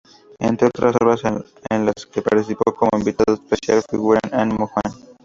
Entre otras obras en las que participó, como invitado especial, figuran: "¡Animo Juan!